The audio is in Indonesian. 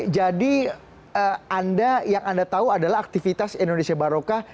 jadi yang anda tahu adalah aktivitas indonesia barokah